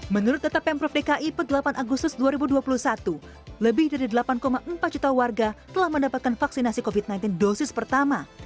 menurut data pemprov dki per delapan agustus dua ribu dua puluh satu lebih dari delapan empat juta warga telah mendapatkan vaksinasi covid sembilan belas dosis pertama